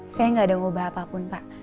saya gak ada yang berubah apapun pak